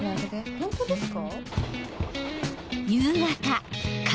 ホントですか？